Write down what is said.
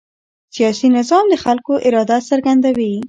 سیاسي نظام د خلکو اراده څرګندوي